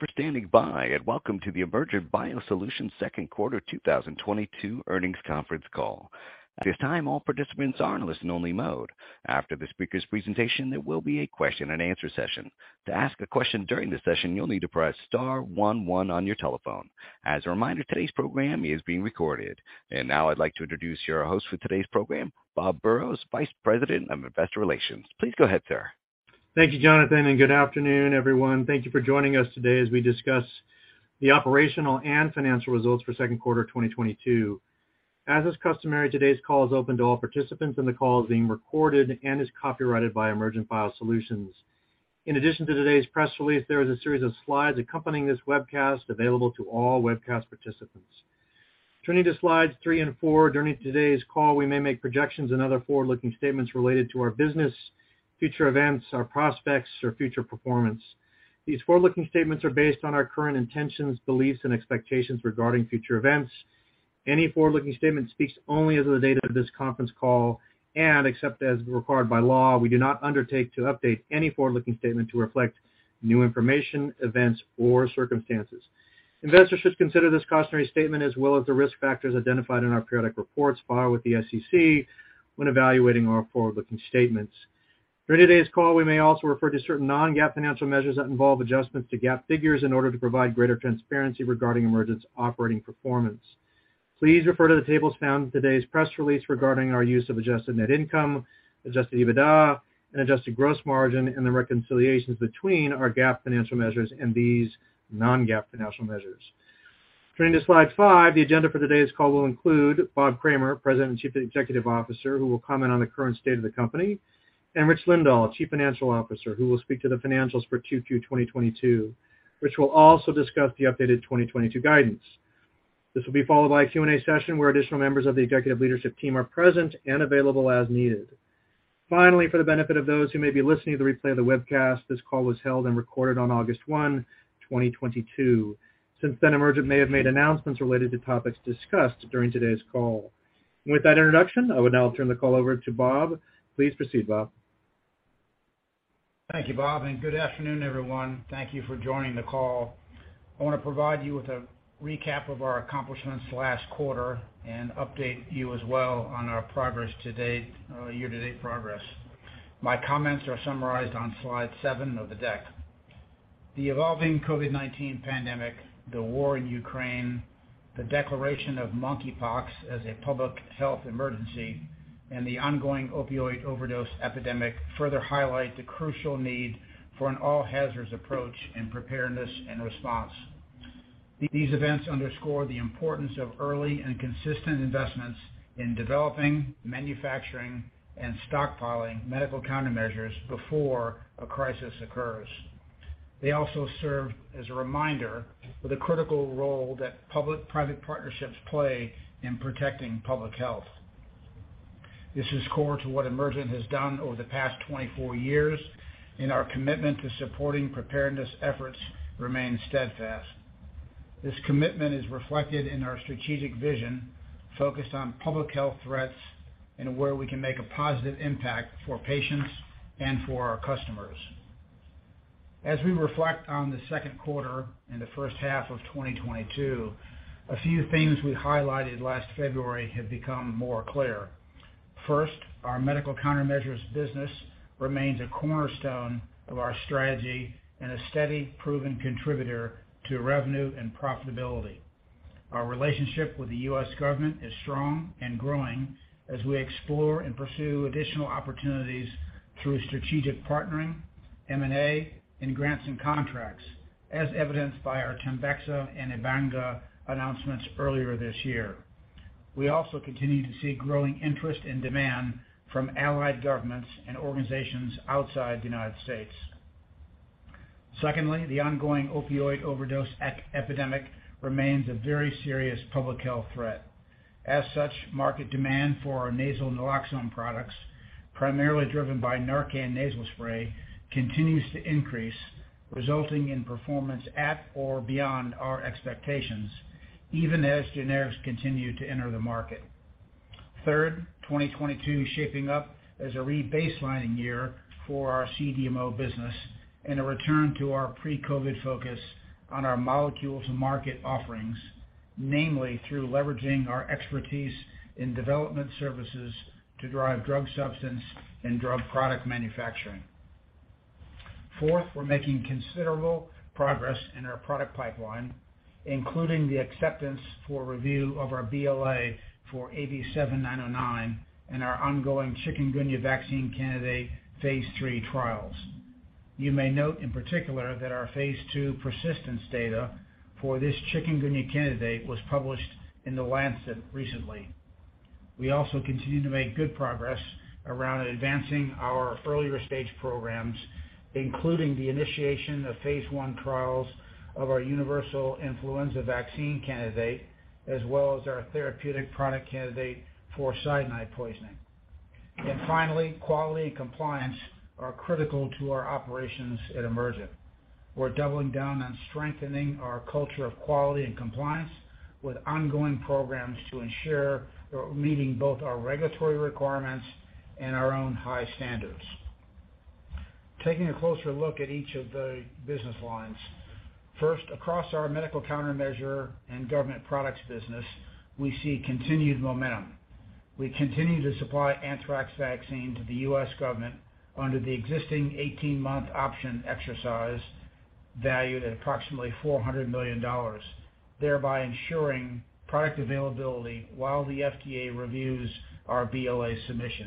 Thank you for standing by, and Welcome to The Emergent BioSolutions Second Quarter 2022 Earnings Conference Call. At this time, all participants are in listen only mode. After the speaker's presentation, there will be a question and answer session. To ask a question during the session, you'll need to press star one one on your telephone. As a reminder, today's program is being recorded. Now I'd like to introduce your host for today's program, Robert Burrows, Vice President of Investor Relations. Please go ahead, sir. Thank you, Jonathan, and Good afternoon, everyone. Thank you for joining us today as we discuss the operational and financial results for second quarter 2022. As is customary, today's call is open to all participants, and the call is being recorded and is copyrighted by Emergent BioSolutions. In addition to today's press release, there is a series of slides accompanying this webcast available to all webcast participants. Turning to slides three and four, during today's call, we may make projections and other forward-looking statements related to our business, future events, our prospects or future performance. These forward-looking statements are based on our current intentions, beliefs, and expectations regarding future events. Any forward-looking statement speaks only as of the date of this conference call, and except as required by law, we do not undertake to update any forward-looking statement to reflect new information, events, or circumstances. Investors should consider this cautionary statement, as well as the risk factors identified in our periodic reports filed with the SEC when evaluating our forward-looking statements. During today's call, we may also refer to certain non-GAAP financial measures that involve adjustments to GAAP figures in order to provide greater transparency regarding Emergent's operating performance. Please refer to the tables found in today's press release regarding our use of adjusted net income, adjusted EBITDA, and adjusted gross margin, and the reconciliations between our GAAP financial measures and these non-GAAP financial measures. Turning to slide 5, the agenda for today's call will include Bob Kramer, President and Chief Executive Officer, who will comment on the current state of the company, and Rich Lindahl, Chief Financial Officer, who will speak to the financials for Q2 2022. Rich will also discuss the updated 2022 guidance. This will be followed by a Q&A session where additional members of the executive leadership team are present and available as needed. Finally, for the benefit of those who may be listening to the replay of the webcast, this call was held and recorded on August 1, 2022. Since then, Emergent may have made announcements related to topics discussed during today's call. With that introduction, I will now turn the call over to Bob. Please proceed, Bob. Thank you, Bob, and Good afternoon, everyone. Thank you for joining the call. I want to provide you with a recap of our accomplishments last quarter and update you as well on our progress to date, year-to-date progress. My comments are summarized on slide seven of the deck. The evolving COVID-19 pandemic, the war in Ukraine, the declaration of monkeypox as a public health emergency, and the ongoing opioid overdose epidemic further highlight the crucial need for an all hazards approach in preparedness and response. These events underscore the importance of early and consistent investments in developing, manufacturing, and stockpiling Medical Countermeasures before a crisis occurs. They also serve as a reminder for the critical role that public-private partnerships play in protecting public health. This is core to what Emergent has done over the past 24 years, and our commitment to supporting preparedness efforts remains steadfast. This commitment is reflected in our strategic vision focused on public health threats and where we can make a positive impact for patients and for our customers. As we reflect on the second quarter and the first half of 2022, a few things we highlighted last February have become more clear. First, our Medical Countermeasures business remains a cornerstone of our strategy and a steady, proven contributor to revenue and profitability. Our relationship with the U.S. government is strong and growing as we explore and pursue additional opportunities through strategic partnering, M&A, and grants and contracts, as evidenced by our TEMBEXA and Ebanga announcements earlier this year. We also continue to see growing interest and demand from allied governments and organizations outside the United States. Secondly, the ongoing opioid overdose epidemic remains a very serious public health threat. As such, market demand for our nasal naloxone products, primarily driven by NARCAN nasal spray, continues to increase, resulting in performance at or beyond our expectations, even as generics continue to enter the market. Third, 2022 is shaping up as a rebaselining year for our CDMO business and a return to our pre-COVID focus on our molecule to market offerings, namely through leveraging our expertise in development services to drive drug substance and drug product manufacturing. Fourth, we're making considerable progress in our product pipeline, including the acceptance for review of our BLA for AV7909 and our ongoing Chikungunya vaccine candidate phase III trials. You may note in particular that our phase II persistence data for this Chikungunya candidate was published in The Lancet recently. We also continue to make good progress around advancing our earlier stage programs, including the initiation of phase I trials of our universal influenza vaccine candidate, as well as our therapeutic product candidate for cyanide poisoning. Finally, quality and compliance are critical to our operations at Emergent. We're doubling down on strengthening our culture of quality and compliance. With ongoing programs to ensure we're meeting both our regulatory requirements and our own high standards. Taking a closer look at each of the business lines. First, across our medical countermeasure and government products business, we see continued momentum. We continue to supply anthrax vaccine to the U.S. government under the existing 18 month option exercise valued at approximately $400 million, thereby ensuring product availability while the FDA reviews our BLA submission.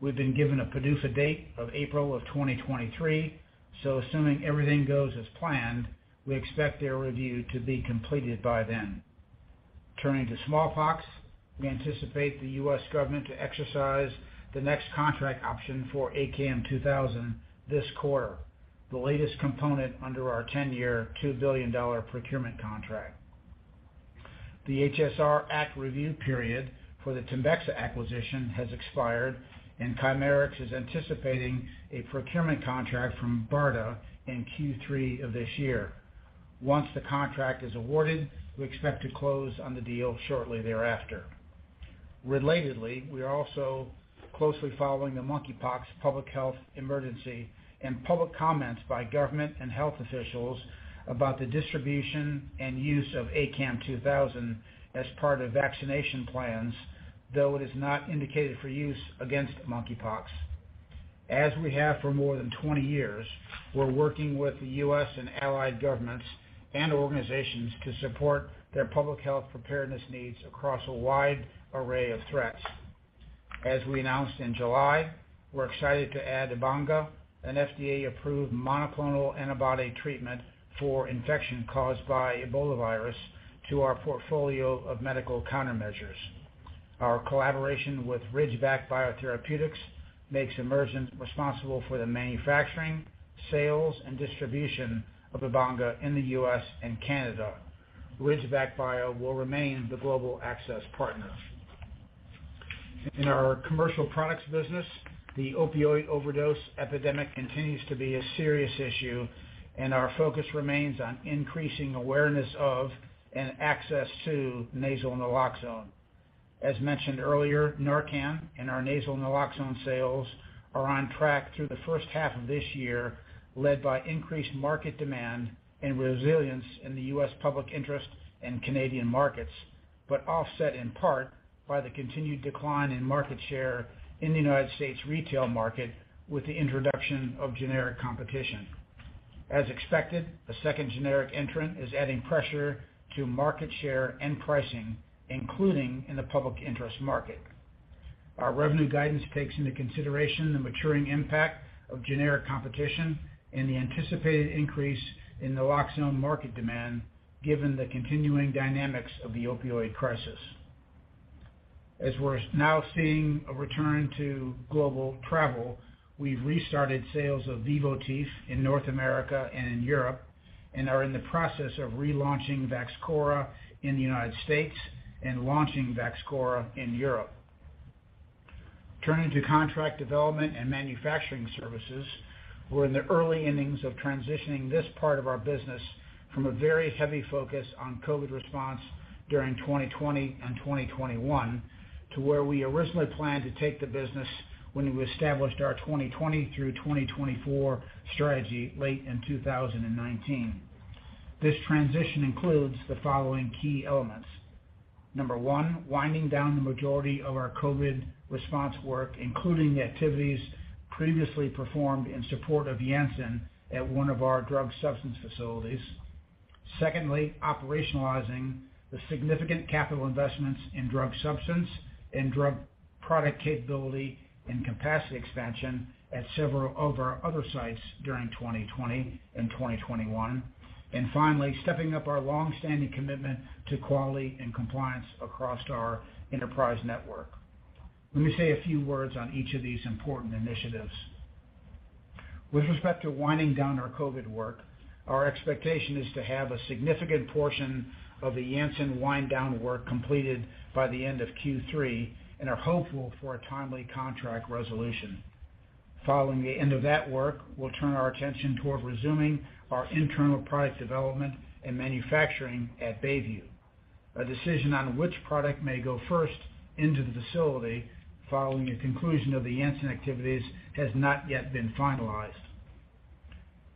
We've been given a PDUFA date of April of 2023, so assuming everything goes as planned, we expect their review to be completed by then. Turning to smallpox, we anticipate the U.S. government to exercise the next contract option for ACAM2000 this quarter, the latest component under our 10 year, $2 billion procurement contract. The HSR Act review period for the TEMBEXA acquisition has expired, and Chimerix is anticipating a procurement contract from BARDA in Q3 of this year. Once the contract is awarded, we expect to close on the deal shortly thereafter. Relatedly, we are also closely following the monkeypox public health emergency and public comments by government and health officials about the distribution and use of ACAM2000 as part of vaccination plans, though it is not indicated for use against monkeypox. As we have for more than 20 years, we're working with the U.S. and allied governments and organizations to support their public health preparedness needs across a wide array of threats. As we announced in July, we're excited to add Ebanga, an FDA-approved monoclonal antibody treatment for infection caused by Ebola virus to our portfolio of Medical Countermeasures. Our collaboration with Ridgeback Biotherapeutics makes Emergent responsible for the manufacturing, sales, and distribution of Ebanga in the U.S. and Canada. Ridgeback Bio will remain the global access partner. In our commercial products business, the opioid overdose epidemic continues to be a serious issue, and our focus remains on increasing awareness of and access to nasal naloxone. As mentioned earlier, NARCAN and our nasal naloxone sales are on track through the first half of this year, led by increased market demand and resilience in the U.S. public interest and Canadian markets, but offset in part by the continued decline in market share in the United States retail market with the introduction of generic competition. As expected, a second generic entrant is adding pressure to market share and pricing, including in the public interest market. Our revenue guidance takes into consideration the maturing impact of generic competition and the anticipated increase in naloxone market demand given the continuing dynamics of the opioid crisis. As we're now seeing a return to global travel, we've restarted sales of Vivotif in North America and in Europe, and are in the process of relaunching Vaxchora in the United States and launching Vaxchora in Europe. Turning to contract development and manufacturing services, we're in the early innings of transitioning this part of our business from a very heavy focus on COVID response during 2020 and 2021 to where we originally planned to take the business when we established our 2020 through 2024 strategy late in 2019. This transition includes the following key elements. Number one, winding down the majority of our COVID response work, including the activities previously performed in support of Janssen at one of our drug substance facilities. Secondly, operationalizing the significant capital investments in drug substance and drug product capability and capacity expansion at several of our other sites during 2020 and 2021. Finally, stepping up our long-standing commitment to quality and compliance across our enterprise network. Let me say a few words on each of these important initiatives. With respect to winding down our COVID work, our expectation is to have a significant portion of the Janssen wind down work completed by the end of Q3 and are hopeful for a timely contract resolution. Following the end of that work, we'll turn our attention toward resuming our internal product development and manufacturing at Bayview. A decision on which product may go first into the facility following the conclusion of the Janssen activities has not yet been finalized.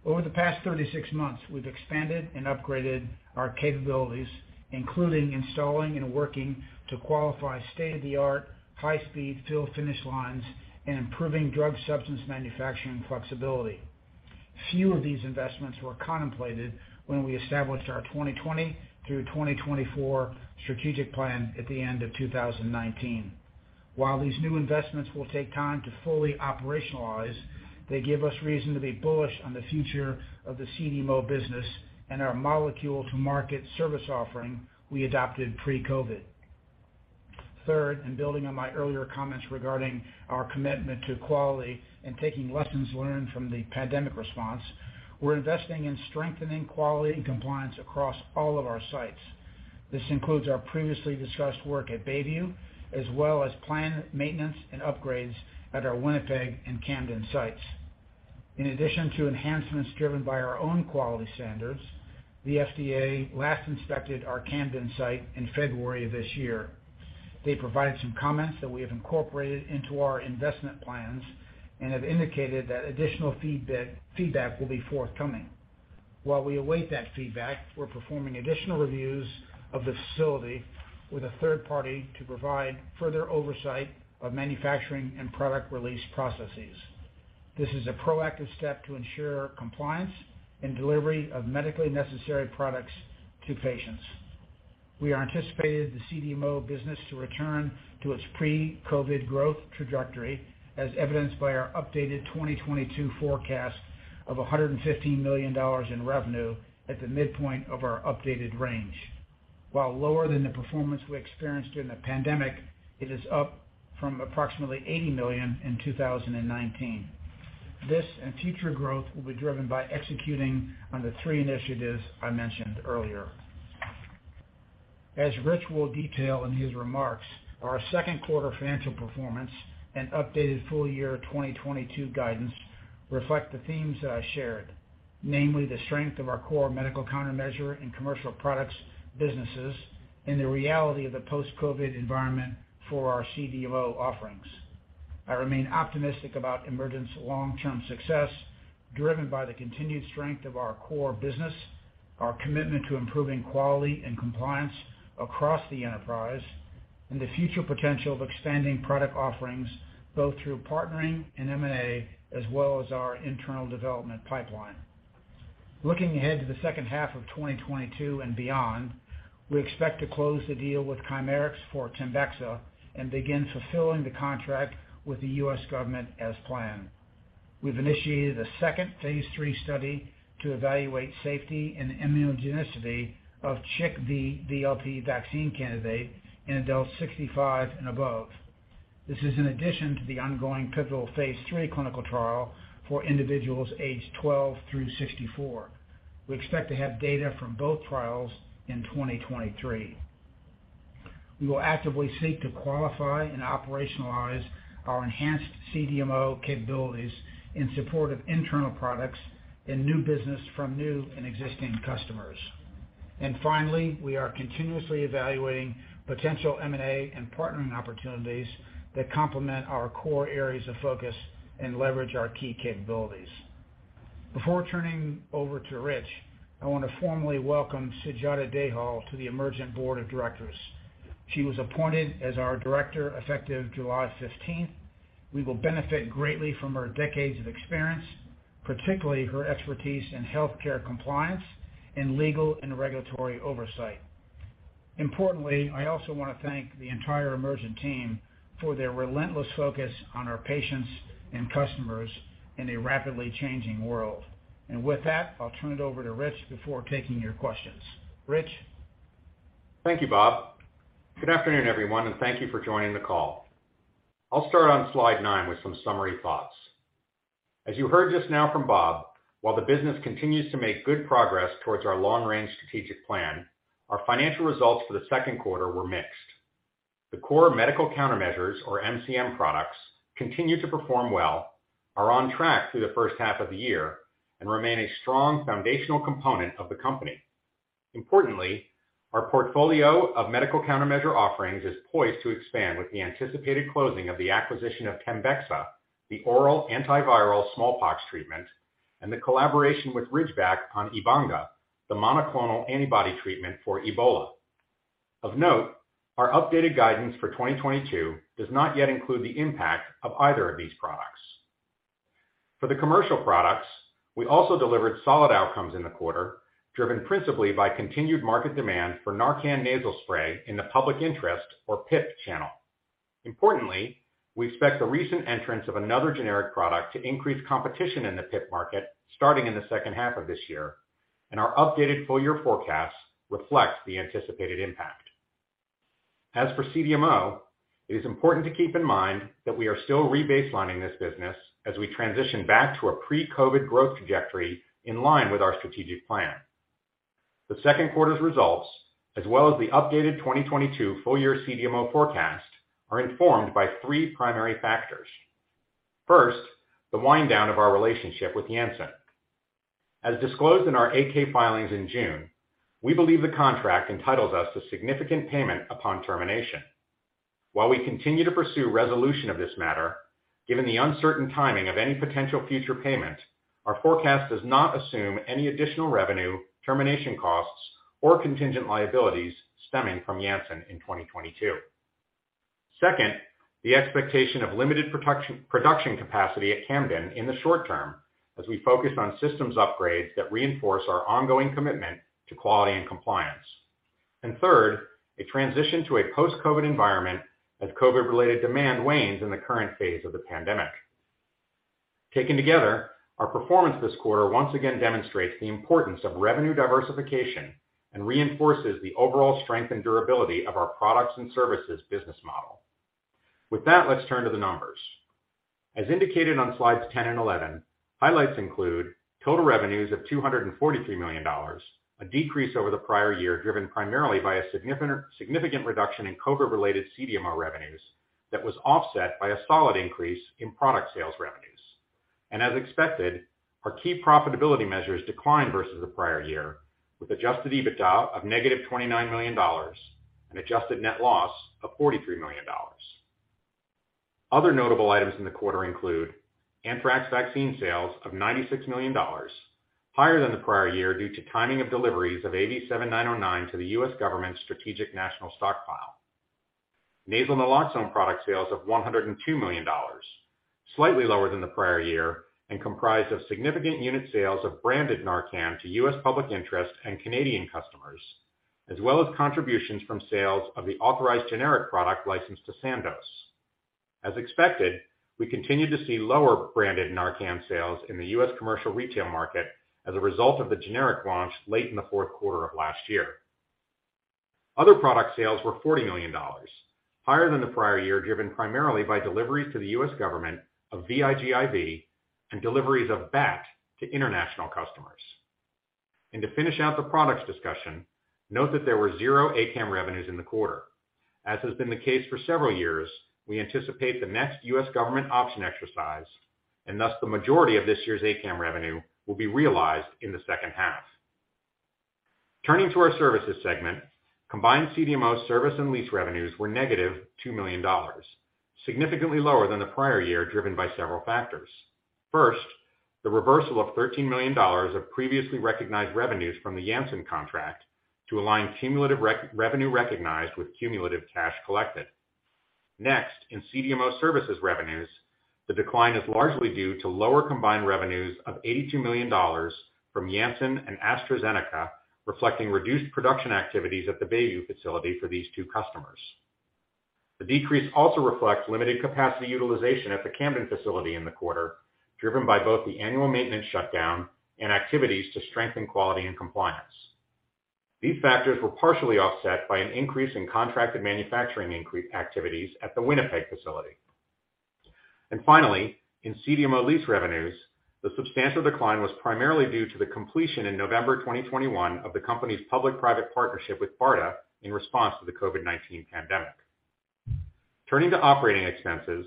Over the past 36 months, we've expanded and upgraded our capabilities, including installing and working to qualify state-of-the-art, high-speed fill finish lines and improving drug substance manufacturing flexibility. Few of these investments were contemplated when we established our 2020 through 2024 strategic plan at the end of 2019. While these new investments will take time to fully operationalize, they give us reason to be bullish on the future of the CDMO business and our molecule to market service offering we adopted pre-COVID. Third, and building on my earlier comments regarding our commitment to quality and taking lessons learned from the pandemic response, we're investing in strengthening quality and compliance across all of our sites. This includes our previously discussed work at Bayview, as well as planned maintenance and upgrades at our Winnipeg and Camden sites. In addition to enhancements driven by our own quality standards, the FDA last inspected our Camden site in February of this year. They provided some comments that we have incorporated into our investment plans and have indicated that additional feedback will be forthcoming. While we await that feedback, we're performing additional reviews of the facility with a third party to provide further oversight of manufacturing and product release processes. This is a proactive step to ensure compliance and delivery of medically necessary products to patients. We anticipated the CDMO business to return to its pre-COVID growth trajectory, as evidenced by our updated 2022 forecast of $115 million in revenue at the midpoint of our updated range. While lower than the performance we experienced during the pandemic, it is up from approximately $80 million in 2019. This and future growth will be driven by executing on the three initiatives I mentioned earlier. As Rich will detail in his remarks, our second quarter financial performance and updated full year 2022 guidance reflect the themes that I shared, namely the strength of our core medical countermeasure and commercial products, businesses, and the reality of the post-COVID environment for our CDMO offerings. I remain optimistic about Emergent's long-term success, driven by the continued strength of our core business, our commitment to improving quality and compliance across the enterprise, and the future potential of expanding product offerings, both through partnering and M&A, as well as our internal development pipeline. Looking ahead to the second half of 2022 and beyond, we expect to close the deal with Chimerix for TEMBEXA and begin fulfilling the contract with the U.S. government as planned. We've initiated a second phase III study to evaluate safety and immunogenicity of CHIKV-VLP vaccine candidate in adults 65 and above. This is in addition to the ongoing pivotal phase III clinical trial for individuals aged 12 through 64. We expect to have data from both trials in 2023. We will actively seek to qualify and operationalize our enhanced CDMO capabilities in support of internal products and new business from new and existing customers. Finally, we are continuously evaluating potential M&A and partnering opportunities that complement our core areas of focus and leverage our key capabilities. Before turning over to Rich, I want to formally welcome Sujata Dayal to the Emergent Board of Directors. She was appointed as our director effective July 15th. We will benefit greatly from her decades of experience, particularly her expertise in healthcare compliance and legal and regulatory oversight. Importantly, I also want to thank the entire Emergent team for their relentless focus on our patients and customers in a rapidly changing world. With that, I'll turn it over to Rich before taking your questions. Rich? Thank you, Bob. Good afternoon, everyone, and thank you for joining the call. I'll start on slide nine with some summary thoughts. As you heard just now from Bob, while the business continues to make good progress towards our long-range strategic plan, our financial results for the second quarter were mixed. The core Medical Countermeasures, or MCM products, continue to perform well, are on track through the first half of the year, and remain a strong foundational component of the company. Importantly, our portfolio of medical countermeasure offerings is poised to expand with the anticipated closing of the acquisition of TEMBEXA, the oral antiviral smallpox treatment, and the collaboration with Ridgeback on Ebanga, the monoclonal antibody treatment for Ebola. Of note, our updated guidance for 2022 does not yet include the impact of either of these products. For the commercial products, we also delivered solid outcomes in the quarter, driven principally by continued market demand for NARCAN Nasal Spray in the Public Interest or PIP channel. Importantly, we expect the recent entrance of another generic product to increase competition in the PIP market starting in the second half of this year, and our updated full year forecast reflects the anticipated impact. As for CDMO, it is important to keep in mind that we are still rebaselining this business as we transition back to a pre-COVID growth trajectory in line with our strategic plan. The second quarter's results, as well as the updated 2022 full-year CDMO forecast, are informed by three primary factors. First, the wind down of our relationship with Janssen. As disclosed in our 8-K filings in June, we believe the contract entitles us to significant payment upon termination. While we continue to pursue resolution of this matter, given the uncertain timing of any potential future payment, our forecast does not assume any additional revenue, termination costs, or contingent liabilities stemming from Janssen in 2022. Second, the expectation of limited production capacity at Camden in the short term as we focus on systems upgrades that reinforce our ongoing commitment to quality and compliance. Third, a transition to a post-COVID environment as COVID-related demand wanes in the current phase of the pandemic. Taken together, our performance this quarter once again demonstrates the importance of revenue diversification and reinforces the overall strength and durability of our products and services business model. With that, let's turn to the numbers. As indicated on slides 10 and 11, highlights include total revenues of $243 million, a decrease over the prior year, driven primarily by a significant reduction in COVID-related CDMO revenues. That was offset by a solid increase in product sales revenues. As expected, our key profitability measures declined versus the prior year, with adjusted EBITDA of -$29 million and adjusted net loss of $43 million. Other notable items in the quarter include anthrax vaccine sales of $96 million, higher than the prior year due to timing of deliveries of AV7909 to the U.S. government's Strategic National Stockpile. Nasal naloxone product sales of $102 million, slightly lower than the prior year and comprised of significant unit sales of branded NARCAN to U.S. public interest and Canadian customers, as well as contributions from sales of the authorized generic product licensed to Sandoz. As expected, we continued to see lower branded NARCAN sales in the U.S. commercial retail market as a result of the generic launch late in the fourth quarter of last year. Other product sales were $40 million, higher than the prior year, driven primarily by deliveries to the U.S. government of VIGIV and deliveries of BAT to international customers. To finish out the products discussion, note that there were zero ACAM revenues in the quarter. As has been the case for several years, we anticipate the next U.S. government option exercise, and thus the majority of this year's ACAM revenue will be realized in the second half. Turning to our services segment, combined CDMO service and lease revenues were -$2 million, significantly lower than the prior year, driven by several factors. First, the reversal of $13 million of previously recognized revenues from the Janssen contract to align cumulative revenue recognized with cumulative cash collected. Next, in CDMO services revenues, the decline is largely due to lower combined revenues of $82 million from Janssen and AstraZeneca, reflecting reduced production activities at the Bayview facility for these two customers. The decrease also reflects limited capacity utilization at the Camden facility in the quarter, driven by both the annual maintenance shutdown and activities to strengthen quality and compliance. These factors were partially offset by an increase in contracted manufacturing activities at the Winnipeg facility. Finally, in CDMO lease revenues, the substantial decline was primarily due to the completion in November 2021 of the company's public-private partnership with BARDA in response to the COVID-19 pandemic. Turning to operating expenses,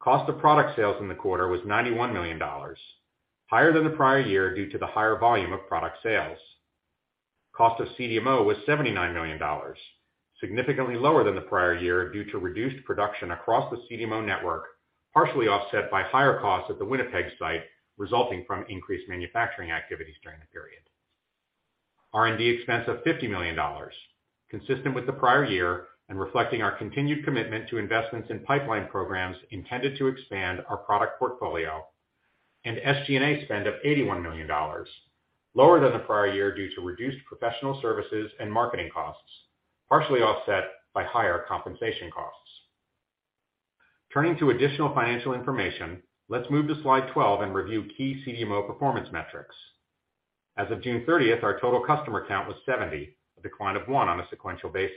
cost of product sales in the quarter was $91 million, higher than the prior year due to the higher volume of product sales. Cost of CDMO was $79 million, significantly lower than the prior year due to reduced production across the CDMO network, partially offset by higher costs at the Winnipeg site resulting from increased manufacturing activities during the period. R&D expense of $50 million, consistent with the prior year and reflecting our continued commitment to investments in pipeline programs intended to expand our product portfolio. SG&A spend of $81 million, lower than the prior year due to reduced professional services and marketing costs, partially offset by higher compensation costs. Turning to additional financial information, let's move to slide 12 and review key CDMO performance metrics. As of June 30, our total customer count was 70, a decline of 1 on a sequential basis.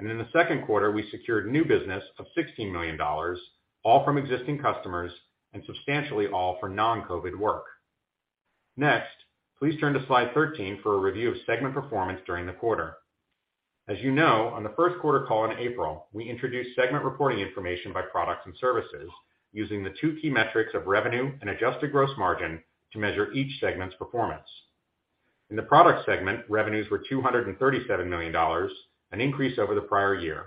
In the second quarter, we secured new business of $16 million, all from existing customers and substantially all for non-COVID work. Next, please turn to slide 13 for a review of segment performance during the quarter. As you know, on the first quarter call in April, we introduced segment reporting information by products and services using the two key metrics of revenue and adjusted gross margin to measure each segment's performance. In the product segment, revenues were $237 million, an increase over the prior year,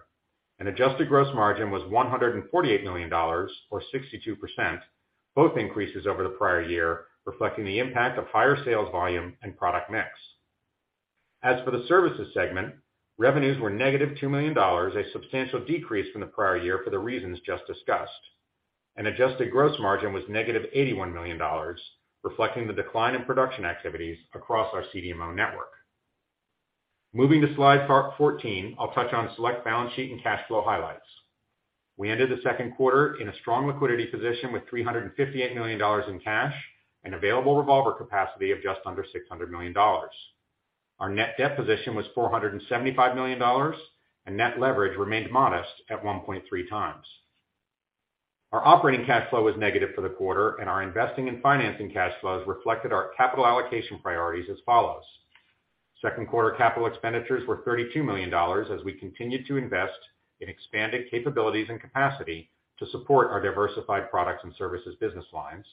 and adjusted gross margin was $148 million or 62%, both increases over the prior year, reflecting the impact of higher sales volume and product mix. As for the services segment, revenues were -$2 million, a substantial decrease from the prior year for the reasons just discussed. Adjusted gross margin was -$81 million, reflecting the decline in production activities across our CDMO network. Moving to slide 414, I'll touch on select balance sheet and cash flow highlights. We ended the second quarter in a strong liquidity position with $358 million in cash and available revolver capacity of just under $600 million. Our net debt position was $475 million, and net leverage remained modest at 1.3 times. Our operating cash flow was negative for the quarter, and our investing and financing cash flows reflected our capital allocation priorities as follows. Second quarter capital expenditures were $32 million as we continued to invest in expanding capabilities and capacity to support our diversified products and services business lines.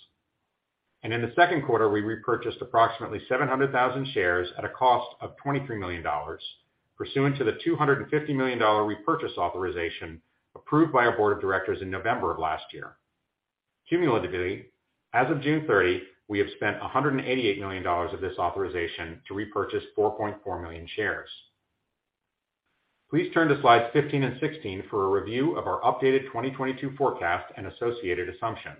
In the second quarter, we repurchased approximately 700,000 shares at a cost of $23 million pursuant to the $250 million repurchase authorization approved by our board of directors in November of last year. Cumulatively, as of June 30, we have spent $188 million of this authorization to repurchase 4.4 million shares. Please turn to slides 15 and 16 for a review of our updated 2022 forecast and associated assumptions.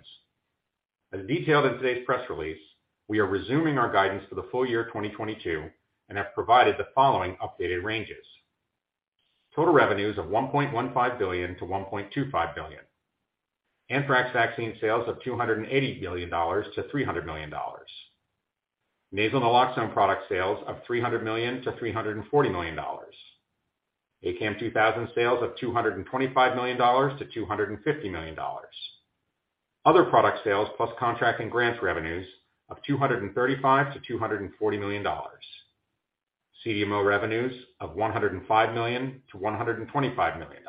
As detailed in today's press release, we are resuming our guidance for the full year 2022 and have provided the following updated ranges. Total revenues of $1.15 billion-$1.25 billion. Anthrax vaccine sales of $280 million-$300 million. Nasal naloxone product sales of $300 million-$340 million. ACAM2000 sales of $225 million-$250 million. Other product sales plus contract and grants revenues of $235 million-$240 million. CDMO revenues of $105 million-$125 million.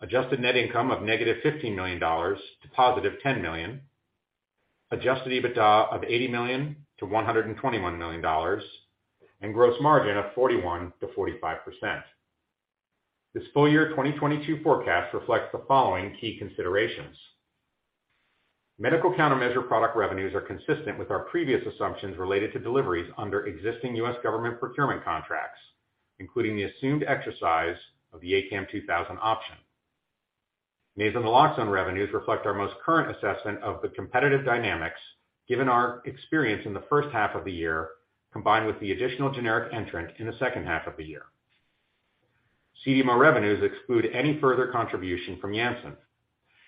Adjusted net income of -$15 million to +$10 million. Adjusted EBITDA of $80 million-$121 million. Gross margin of 41%-45%. This full year 2022 forecast reflects the following key considerations. Medical countermeasure product revenues are consistent with our previous assumptions related to deliveries under existing U.S. government procurement contracts, including the assumed exercise of the ACAM2000 option. Nasal naloxone revenues reflect our most current assessment of the competitive dynamics given our experience in the first half of the year, combined with the additional generic entrant in the second half of the year. CDMO revenues exclude any further contribution from Janssen.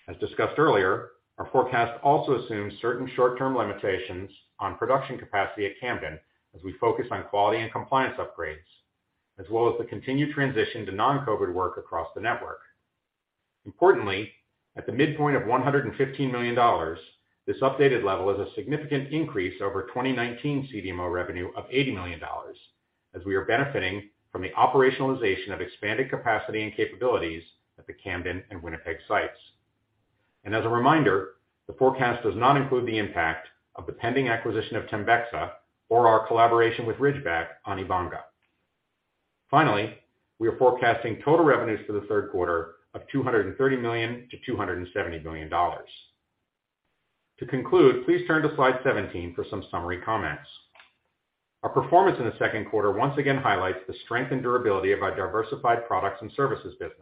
As discussed earlier, our forecast also assumes certain short-term limitations on production capacity at Camden as we focus on quality and compliance upgrades, as well as the continued transition to non-COVID work across the network. Importantly, at the midpoint of $115 million, this updated level is a significant increase over 2019 CDMO revenue of $80 million as we are benefiting from the operationalization of expanded capacity and capabilities at the Camden and Winnipeg sites. As a reminder, the forecast does not include the impact of the pending acquisition of TEMBEXA or our collaboration with Ridgeback on Ebanga. Finally, we are forecasting total revenues for the third quarter of $230 million-$270 million. To conclude, please turn to slide 17 for some summary comments. Our performance in the second quarter once again highlights the strength and durability of our diversified products and services business.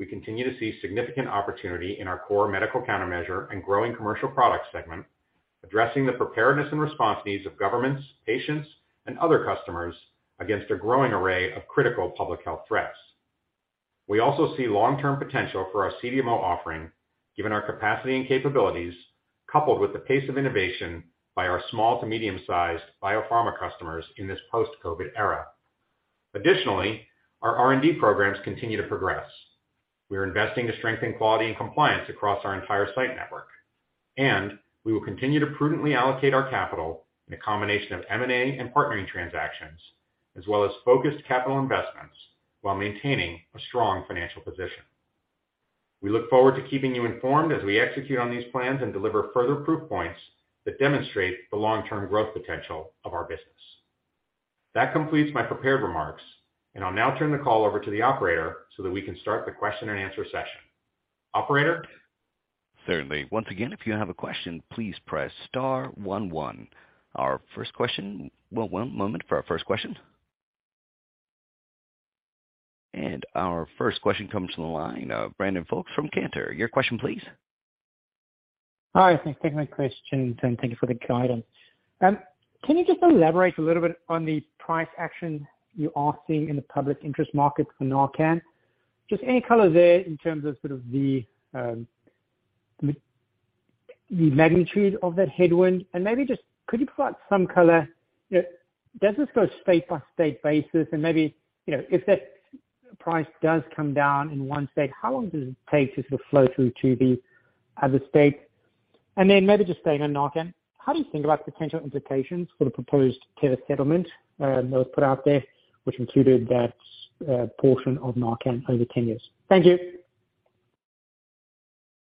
We continue to see significant opportunity in our core medical countermeasure and growing commercial product segment, addressing the preparedness and response needs of governments, patients, and other customers against a growing array of critical public health threats. We also see long-term potential for our CDMO offering given our capacity and capabilities, coupled with the pace of innovation by our small to medium-sized biopharma customers in this post-COVID era. Additionally, our R&D programs continue to progress. We are investing to strengthen quality and compliance across our entire site network, and we will continue to prudently allocate our capital in a combination of M&A and partnering transactions, as well as focused capital investments while maintaining a strong financial position. We look forward to keeping you informed as we execute on these plans and deliver further proof points that demonstrate the long-term growth potential of our business. That completes my prepared remarks, and I'll now turn the call over to the operator so that we can start the question and answer session. Operator? Certainly. Once again, if you have a question, please press star one one. Our first question. One moment for our first question. Our first question comes from the line of Brandon Folkes from Cantor. Your question please. Hi, thanks for taking my question and thank you for the guidance. Can you just elaborate a little bit on the price action you are seeing in the public sector market for NARCAN? Just any color there in terms of sort of the magnitude of that headwind? Maybe just could you provide some color, you know, does this go state-by-state basis? Maybe, you know, if that price does come down in one state, how long does it take to sort of flow through to the other states? Maybe just staying on NARCAN, how do you think about potential implications for the proposed Teva settlement that was put out there, which included that portion of NARCAN over 10 years? Thank you.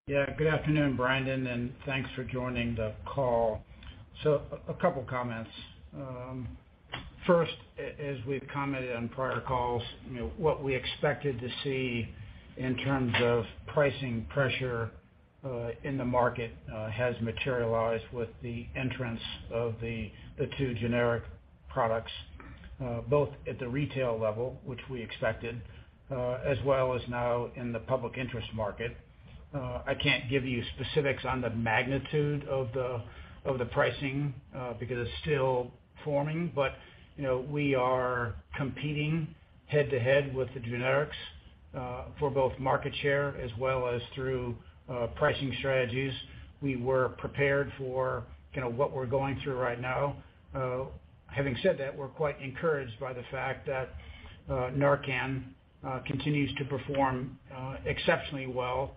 Good afternoon, Brandon, and thanks for joining the call. A couple of comments. First, as we've commented on prior calls, you know, what we expected to see in terms of pricing pressure in the market has materialized with the entrance of the two generic products, both at the retail level, which we expected, as well as now in the public interest market. I can't give you specifics on the magnitude of the pricing because it's still forming. You know, we are competing head to head with the generics for both market share as well as through pricing strategies. We were prepared for, you know, what we're going through right now. Having said that, we're quite encouraged by the fact that NARCAN continues to perform exceptionally well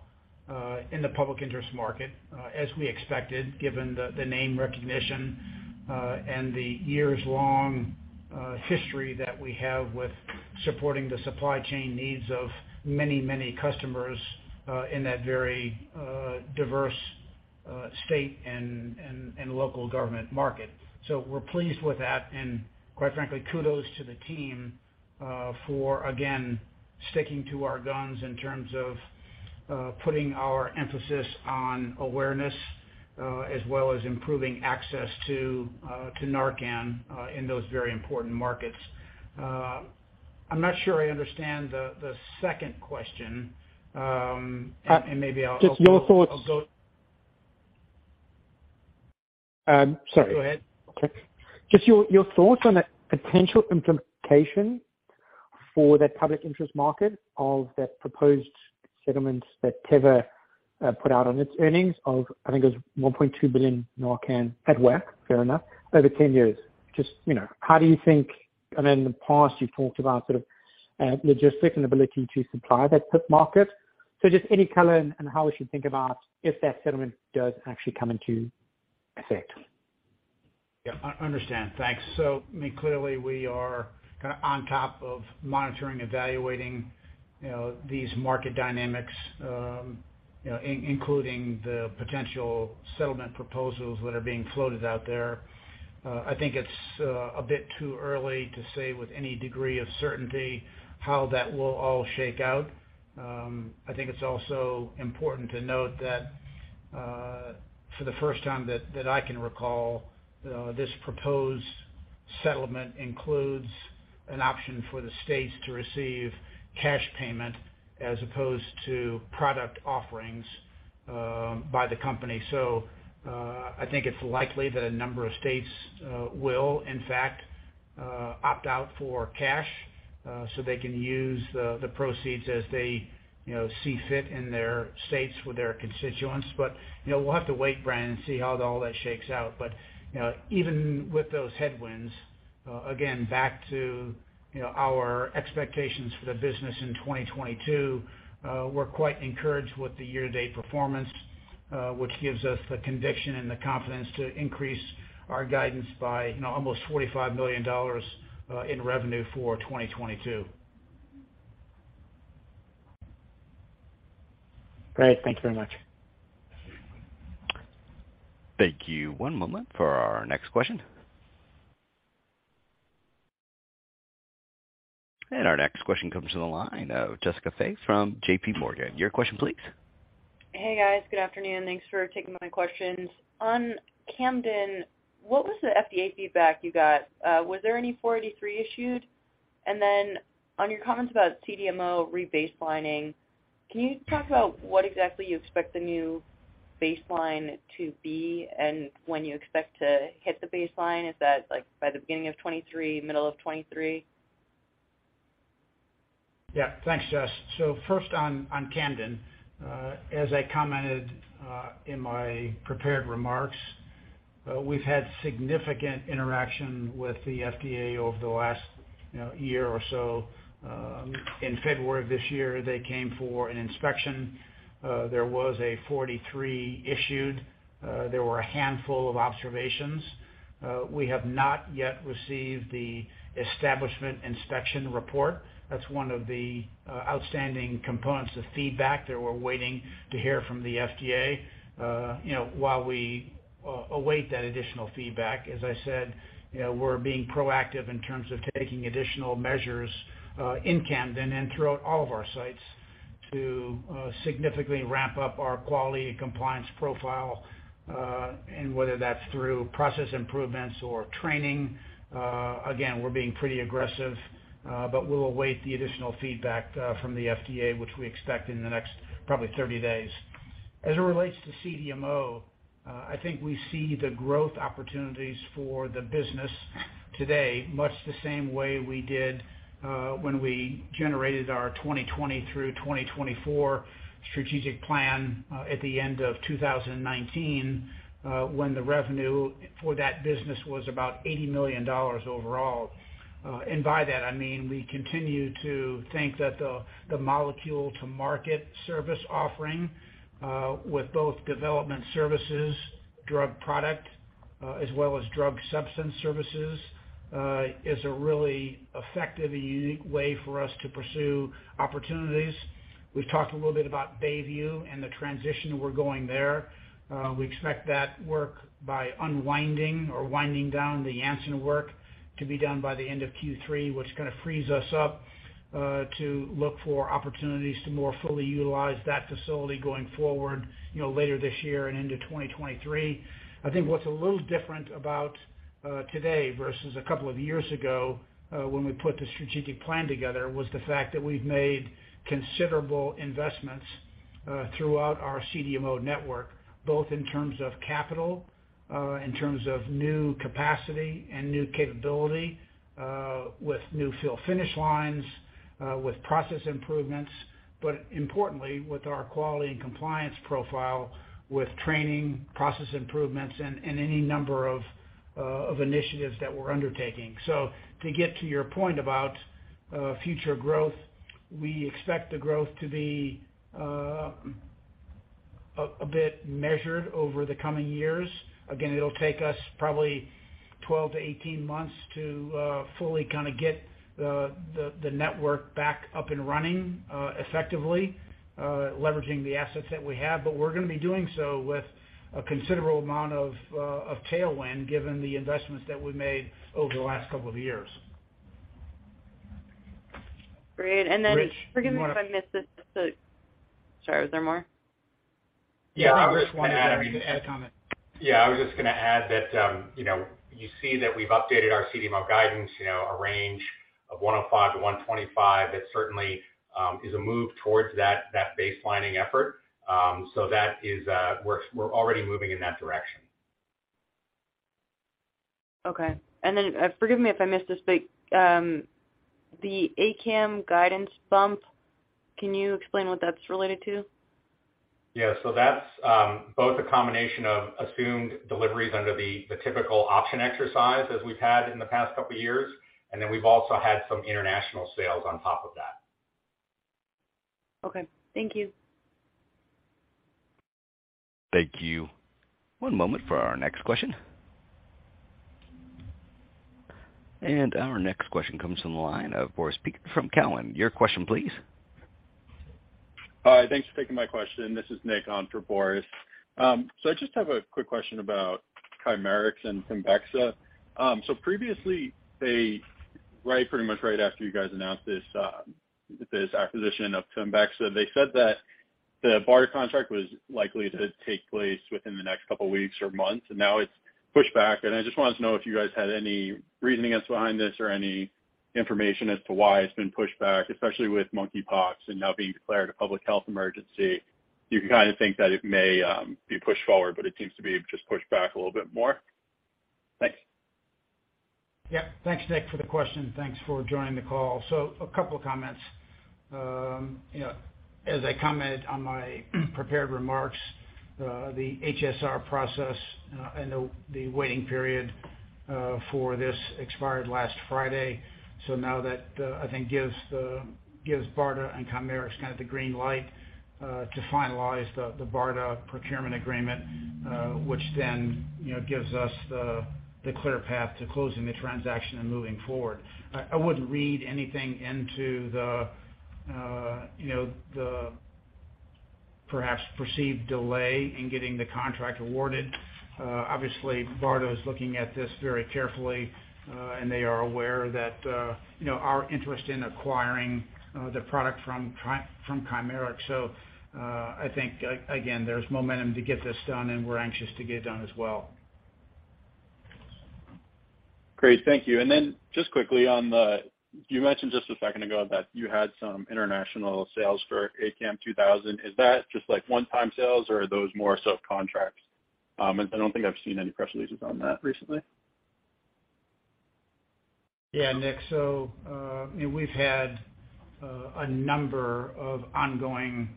in the public sector market, as we expected given the name recognition and the years-long history that we have with supporting the supply chain needs of many, many customers in that very diverse state and local government market. We're pleased with that. Quite frankly, kudos to the team for again sticking to our guns in terms of putting our emphasis on awareness as well as improving access to NARCAN in those very important markets. I'm not sure I understand the second question. Maybe I'll go- Just your thoughts. Sorry. Go ahead. Okay. Just your thoughts on the potential implication for that public interest market of that proposed settlement that Teva put out on its earnings of, I think it was $1.2 billion NARCAN headwind, fair enough, over 10 years. You know, how do you think. In the past, you talked about sort of logistics and ability to supply that PIP market. Just any color and how we should think about if that settlement does actually come into effect. Yeah. Understand. Thanks. I mean, clearly, we are kinda on top of monitoring, evaluating, you know, these market dynamics, you know, including the potential settlement proposals that are being floated out there. I think it's a bit too early to say with any degree of certainty how that will all shake out. I think it's also important to note that, for the first time that I can recall, this proposed settlement includes an option for the states to receive cash payment as opposed to product offerings by the company. I think it's likely that a number of states will in fact opt out for cash, so they can use the proceeds as they, you know, see fit in their states with their constituents. You know, we'll have to wait, Brandon, and see how all that shakes out. You know, even with those headwinds, again, back to, you know, our expectations for the business in 2022, we're quite encouraged with the year-to-date performance, which gives us the conviction and the confidence to increase our guidance by, you know, almost $45 million in revenue for 2022. Great. Thank you very much. Thank you. One moment for our next question. Our next question comes to the line of Jessica Fye from JPMorgan. Your question please. Hey, guys. Good afternoon. Thanks for taking my questions. On Camden, what was the FDA feedback you got? Was there any Form 483 issued? On your comments about CDMO rebaselining, can you talk about what exactly you expect the new baseline to be and when you expect to hit the baseline? Is that, like, by the beginning of 2023, middle of 2023? Yeah. Thanks Jess. First on Camden. As I commented in my prepared remarks, we've had significant interaction with the FDA over the last, you know, year or so. In February of this year, they came for an inspection. There was a 483 issued. There were a handful of observations. We have not yet received the establishment inspection report. That's one of the outstanding components of feedback that we're waiting to hear from the FDA. You know, while we await that additional feedback, as I said, you know, we're being proactive in terms of taking additional measures in Camden and throughout all of our sites to significantly ramp up our quality and compliance profile. Whether that's through process improvements or training, again, we're being pretty aggressive. We'll await the additional feedback from the FDA, which we expect in the next probably 30 days. As it relates to CDMO, I think we see the growth opportunities for the business today, much the same way we did when we generated our 2020 through 2024 strategic plan at the end of 2019 when the revenue for that business was about $80 million overall. By that I mean we continue to think that the molecule to market service offering with both development services, drug product as well as drug substance services is a really effective and unique way for us to pursue opportunities. We've talked a little bit about Bayview and the transition we're going there. We expect that work by unwinding or winding down the work to be done by the end of Q3, which kind of frees us up to look for opportunities to more fully utilize that facility going forward, you know, later this year and into 2023. I think what's a little different about today versus a couple of years ago, when we put the strategic plan together, was the fact that we've made considerable investments throughout our CDMO network, both in terms of capital, in terms of new capacity and new capability, with new fill finish lines, with process improvements, but importantly with our quality and compliance profile with training, process improvements in any number of initiatives that we're undertaking. To get to your point about future growth, we expect the growth to be a bit measured over the coming years. Again, it'll take us probably 12-18 months to fully kinda get the network back up and running effectively, leveraging the assets that we have. We're gonna be doing so with a considerable amount of tailwind given the investments that we've made over the last couple of years. Great. Rich, you wanna- Forgive me if I missed it. Sorry, was there more? Yeah. I was just wanting to make an add comment. Yeah, I was just gonna add that, you know, you see that we've updated our CDMO guidance, you know, a range of $105 million-$125 million. That certainly is a move towards that baselining effort. That is, we're already moving in that direction. Okay. Forgive me if I missed this, but the ACAM guidance bump, can you explain what that's related to? Yeah. That's both a combination of assumed deliveries under the typical option exercise as we've had in the past couple years, and then we've also had some international sales on top of that. Okay, thank you. Thank you. One moment for our next question. Our next question comes from the line of Boris Peaker from Cowen. Your question please. Hi, thanks for taking my question. This is Nick on for Boris. I just have a quick question about Chimerix and TEMBEXA. Previously, right, pretty much right after you guys announced this acquisition of TEMBEXA, they said that the BARDA contract was likely to take place within the next couple weeks or months, and now it's pushed back. I just wanted to know if you guys had any reasoning behind this or any information as to why it's been pushed back, especially with monkeypox and now being declared a public health emergency. You can kinda think that it may be pushed forward, but it seems to be just pushed back a little bit more. Thanks. Yeah. Thanks Nick for the question. Thanks for joining the call. A couple comments. You know, as I commented on my prepared remarks, the HSR process and the waiting period for this expired last Friday. Now that I think gives BARDA and Chimerix kind of the green light to finalize the BARDA procurement agreement, which then, you know, gives us the clear path to closing the transaction and moving forward. I wouldn't read anything into the you know, the perhaps perceived delay in getting the contract awarded. Obviously BARDA is looking at this very carefully, and they are aware that you know, our interest in acquiring the product from Chimerix. I think again, there's momentum to get this done, and we're anxious to get it done as well. Great. Thank you. Just quickly, you mentioned just a second ago that you had some international sales for ACAM2000. Is that just like one-time sales or are those more so contracts? I don't think I've seen any press releases on that recently. Yeah, Nick. You know, we've had a number of ongoing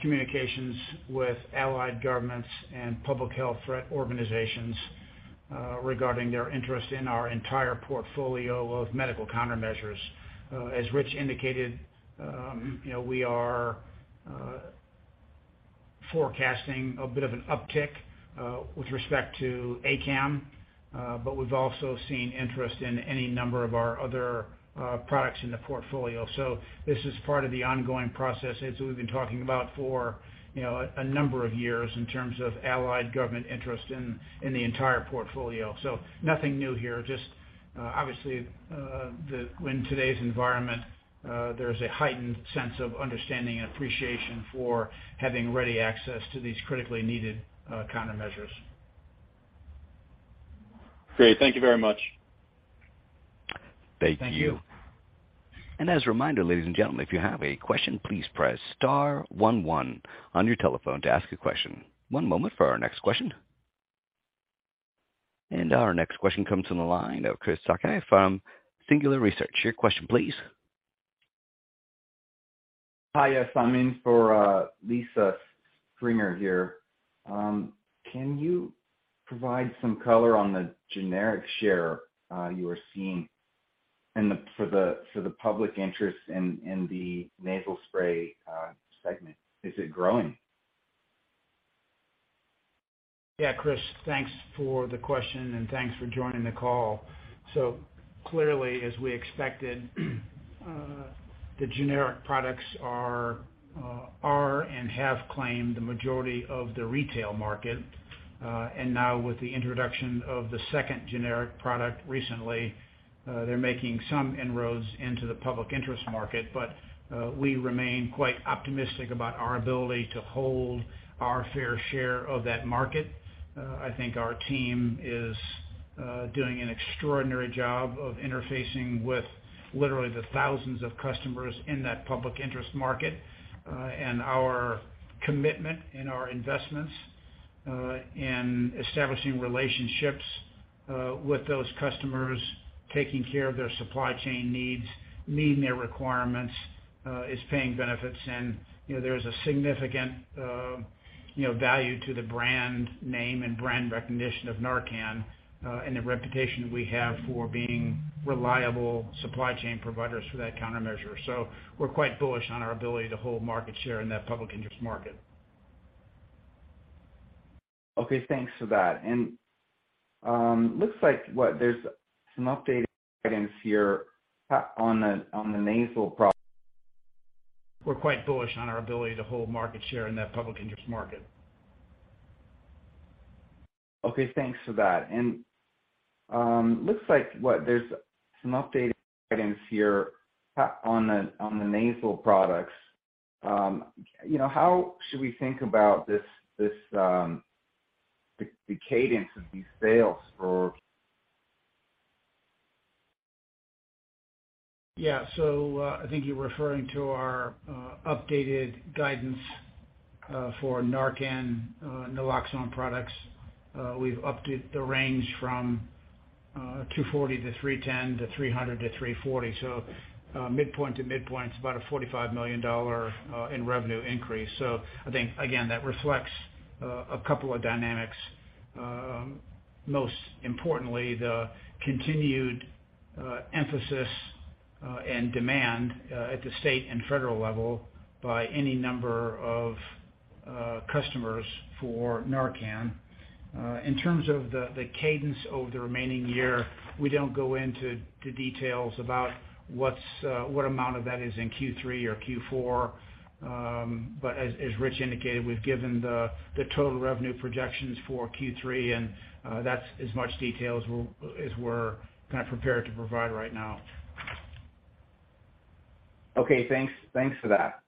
communications with allied governments and public health threat organizations regarding their interest in our entire portfolio of Medical Countermeasures. As Rich indicated, you know, we are forecasting a bit of an uptick with respect to ACAM, but we've also seen interest in any number of our other products in the portfolio. This is part of the ongoing process as we've been talking about for you know, a number of years in terms of allied government interest in the entire portfolio. Nothing new here, just obviously in today's environment, there's a heightened sense of understanding and appreciation for having ready access to these critically needed countermeasures. Great. Thank you very much. Thank you. Thank you. As a reminder, ladies and gentlemen, if you have a question, please press star one one on your telephone to ask a question. One moment for our next question. Our next question comes from the line of Chris Sakai from Singular Research. Your question please. Hi. Yes, I'm in for Lisa Springer here. Can you provide some color on the generic share you are seeing for the public interest in the nasal spray segment? Is it growing? Yeah, Chris, thanks for the question and thanks for joining the call. Clearly, as we expected, the generic products are and have claimed the majority of the retail market. Now with the introduction of the second generic product recently, they're making some inroads into the public interest market. We remain quite optimistic about our ability to hold our fair share of that market. I think our team is doing an extraordinary job of interfacing with literally the thousands of customers in that public interest market. Our commitment and our investments in establishing relationships with those customers, taking care of their supply chain needs, meeting their requirements is paying benefits. You know, there's a significant, you know, value to the brand name and brand recognition of NARCAN, and the reputation we have for being reliable supply chain providers for that countermeasure. We're quite bullish on our ability to hold market share in that public interest market. Okay, thanks for that. Looks like what there's some updated guidance here on the nasal pro- We're quite bullish on our ability to hold market share in that public interest market. Okay, thanks for that. Looks like there's some updated guidance here on the nasal products. You know, how should we think about this, the cadence of these sales for- Yeah. I think you're referring to our updated guidance for NARCAN naloxone products. We've updated the range from $240 million-$310 million to $300 million-$340 million. Midpoint to midpoint's about a $45 million in revenue increase. I think again, that reflects a couple of dynamics, most importantly, the continued emphasis and demand at the state and federal level by any number of customers for NARCAN. In terms of the cadence over the remaining year, we don't go into the details about what amount of that is in Q3 or Q4. As Rich indicated, we've given the total revenue projections for Q3, and that's as much detail as we're kinda prepared to provide right now. Okay, thanks. Thanks for that.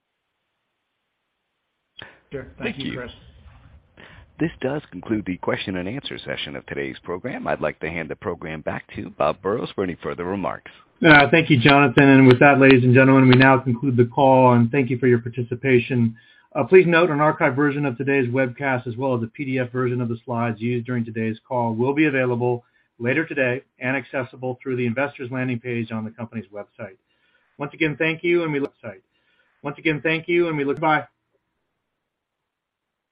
Sure. Thank you, Chris. Thank you. This does conclude the question and answer session of today's program. I'd like to hand the program back to Bob Burrows for any further remarks. Thank you, Jonathan. With that, ladies and gentlemen, we now conclude the call and thank you for your participation. Please note an archived version of today's webcast, as well as a PDF version of the slides used during today's call will be available later today and accessible through the investor's landing page on the company's website. Once again, thank you and bye.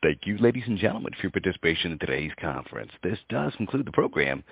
Thank you, ladies and gentlemen, for your participation in today's conference. This does conclude the program.